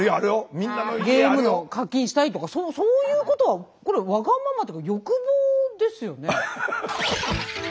ゲームの課金したいとかそういうことはこれわがままっていうか欲望ですよね。